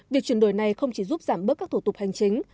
việc chuyển đổi này không chỉ giúp giảm bớt các thủ tục hành chính